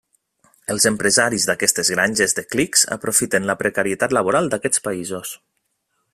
Els empresaris d’aquestes granges de clics aprofiten la precarietat laboral d’aquests països.